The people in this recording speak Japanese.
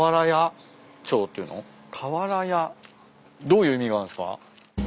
どういう意味があるんすか？